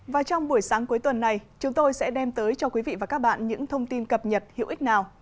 và trong buổi sáng cuối tuần này chúng tôi sẽ đem tới cho quý vị và các bạn những thông tin cập nhật hữu ích nào